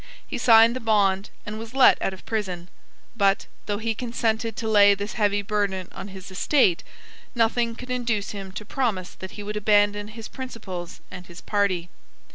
He signed the bond, and was let out of prison: but, though he consented to lay this heavy burden on his estate, nothing could induce him to promise that he would abandon his principles and his party.